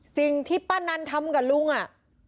สิ่งที่ป้านันทำกับลุงอ่ะ